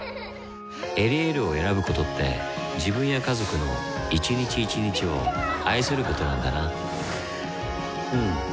「エリエール」を選ぶことって自分や家族の一日一日を愛することなんだなうん。